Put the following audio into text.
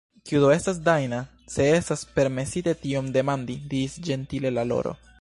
"Kiu do estas Dajna, se estas permesite tion demandi," diris ĝentile la Loro.